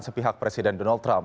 sepihak presiden donald trump